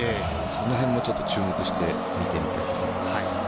その辺も注目して見てみたいと思います。